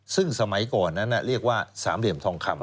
ซึ่งสมัยก่อนนั้นเรียกว่าสามเหลี่ยมทองคำ